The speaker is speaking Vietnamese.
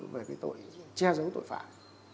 về cái tội che giấu tội phạm